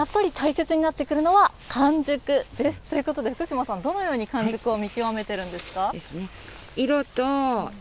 このいちじく、やっぱり大切になってくるのは完熟ですということで、福嶋さん、どのように完熟を見極めているのですか。